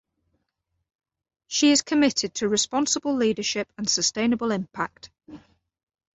She is committed to responsible leadership and sustainable impact.